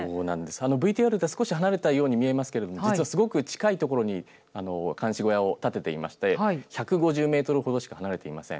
ＶＴＲで少し離れたように見えますが実はすごく近い所に監視小屋を建てていまして１５０メートルほどしか離れていません。